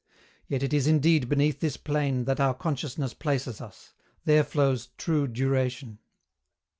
Yet it is indeed beneath this plane that our consciousness places us; there flows true duration.